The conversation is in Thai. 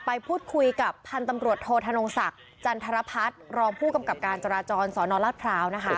ไปพูดคุยกับพันธุ์ตำรวจโทษธนงศักดิ์จันทรพัฒน์รองผู้กำกับการจราจรสนรัฐพร้าวนะคะ